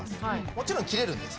もちろん切れるんですよね。